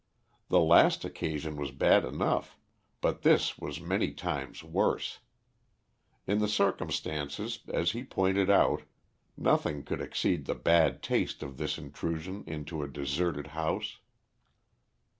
The last occasion was bad enough, but this was many times worse. In the circumstances, as he pointed out, nothing could exceed the bad taste of this intrusion into a deserted house.